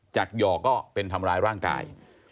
หย่อก็เป็นทำร้ายร่างกาย